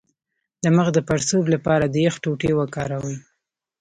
د مخ د پړسوب لپاره د یخ ټوټې وکاروئ